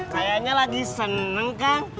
kayaknya lagi seneng kang